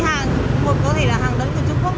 hàng một có thể là hàng đất của trung quốc